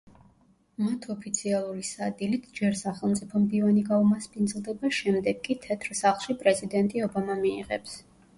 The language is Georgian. მათ ოფიციალური სადილით ჯერ სახელმწიფო მდივანი გაუმასპინძლდება, შემდეგ კი თეთრ სახლში პრეზიდენტი ობამა მიიღებს.